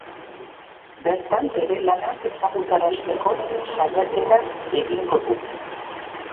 Bertan bere lanak ezagutarazteko saiakera egingo du.